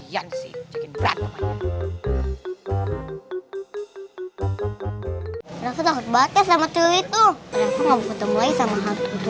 gila sih jakin berat pak rete